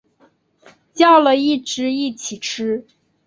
叫了一只一起吃